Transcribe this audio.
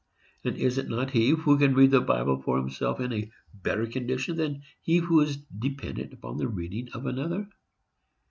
And is not he who can read the Bible for himself in a better condition than he who is dependent upon the reading of another?